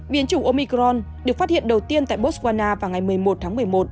biến chủng omicron được phát hiện đầu tiên tại botswana vào ngày một mươi một tháng một mươi một